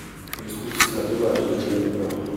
Je trouve cela dommage et je le déplore.